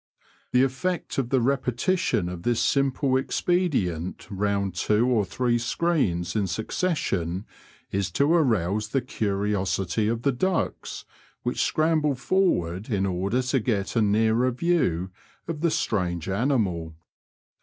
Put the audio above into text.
The effect of the repeti tion of this simple expedient round two or three screens in succession is to arouse the curiosity of the ducks, which scramble forward in order to get a nearer view of the strange animal.